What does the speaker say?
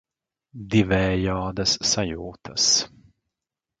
Divējādas sajūtas.